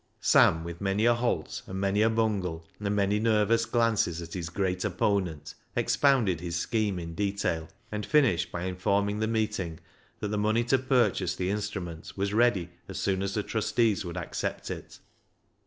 Sam, with many a halt and many a bungle, and many nervous glances at his great opponent, expounded his scheme in detail, and finished by informing the meeting that the money to purchase the instrument was ready as soon as the trustees would accept it.